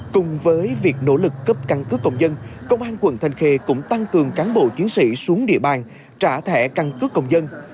cùng với việc nỗ lực cấp căn cước công dân công an quận thanh khê cũng tăng cường cán bộ chiến sĩ xuống địa bàn trả thẻ căn cước công dân